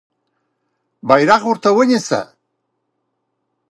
بیرغ ورته ونیسه.